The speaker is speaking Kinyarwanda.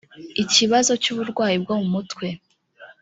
ikibazo cy uburwayi bwo mu mutwe